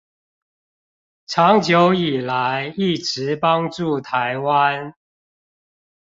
長久以來一直幫助臺灣